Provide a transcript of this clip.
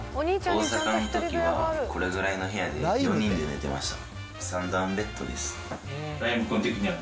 大阪のときは、これぐらいの部屋で４人で寝てました。